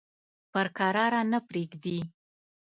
پر کراره نه پرېږدي.